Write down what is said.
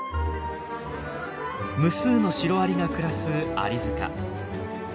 無数のシロアリが暮らすアリ塚。